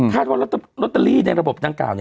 คาดว่าร็อตเตอรี่ในระบบตั้งกล่าว